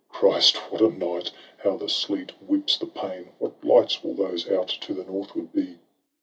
— Christ, what a night ! how the sleet whips the pane ! What lights will those out to the northward be.? The Page.